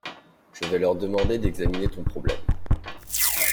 Je vais leur demander d’examiner ton problème.